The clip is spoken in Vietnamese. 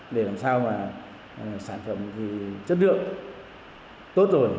để làm sao mà sản phẩm thì chất lượng tốt rồi